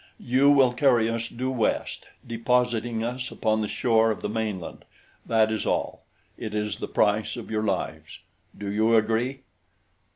"You will carry us due west, depositing us upon the shore of the mainland that is all. It is the price of your lives. Do you agree?"